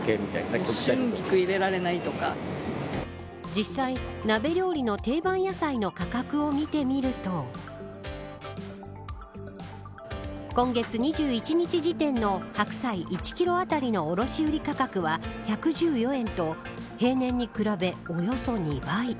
実際、鍋料理の定番野菜の価格を見てみると今月２１日時点の白菜１キロ当たりの卸売り価格は１１４円と平年に比べおよそ２倍。